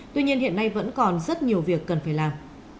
tuy nhiên hiện nay vẫn còn rất nhiều việc cần phải làm